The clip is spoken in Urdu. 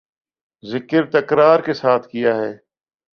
ذکر تکرار کے ساتھ کیا ہے